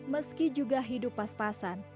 meski juga hidup pas pasan